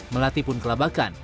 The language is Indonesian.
melati pun kelabakan